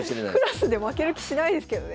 クラスで負ける気しないですけどね。